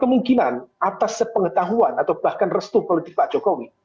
kemungkinan atas sepengetahuan atau bahkan restu politik pak jokowi